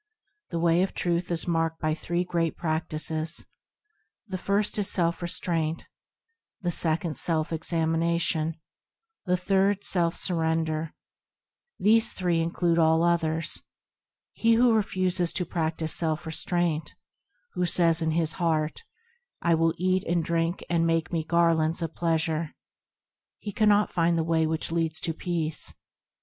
The Way of Truth is marked by three Great Practices,– The first is Self Restraint, The second, Self Examination, The third, Self Surrender ; These three include all others, He who refuses to practise Self Restraint, Who says in his heart, –" I will eat and drink, and make me garlands of pleasure," He cannot find the Way which leads to peace.